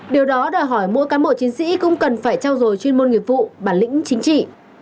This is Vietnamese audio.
điều đó đòi hỏi mỗi cán bộ chiến sĩ cũng cần phải trao dồi chuyên môn nghiệp vụ bản lĩnh chính trị